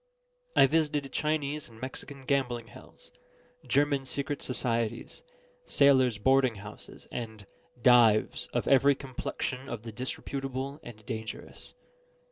I visited Chinese and Mexican gambling hells, German secret societies, sailors' boarding houses, and "dives" of every complexion of the disreputable and dangerous.